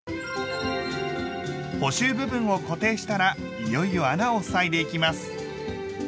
補修部分を固定したらいよいよ穴をふさいでいきます。